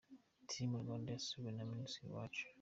Team Rwanda yasuwe na Minisitiri Uwacu.